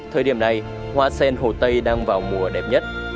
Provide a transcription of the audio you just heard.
thời điểm này hoa sen hồ tây đang vào mùa đẹp nhất